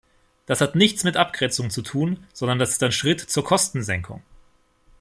Das hat nichts mit Abgrenzung zu tun, sondern das ist ein Schritt zur Kostensenkung.